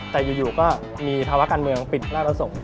แต่อยู่ก็มีธาวะกันเมืองปิดราตรสก